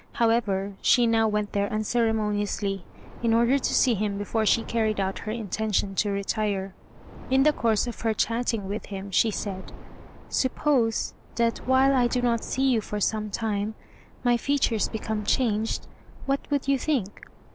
However, she now went there unceremoniously, in order to see him before she carried out her intention to retire. In the course of her chatting with him, she said, "Suppose, that while I do not see you for some time, my features become changed, what would you think?"